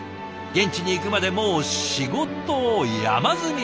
現地に行くまでもう仕事山積み。